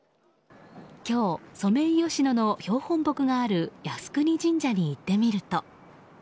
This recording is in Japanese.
今日ソメイヨシノの標本木がある靖国神社に行ってみると。